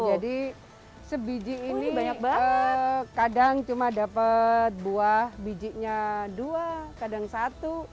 jadi sebijik ini kadang cuma dapat buah bijinya dua kadang satu